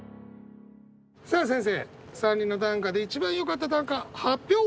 さあ先生３人の短歌で一番よかった短歌発表